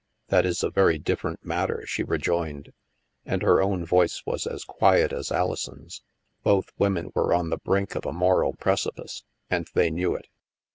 " That is a very different matter," she rejoined, and her own voice was as quiet as Alison's. Both women were on the brink of a moral precipice, and they knew it.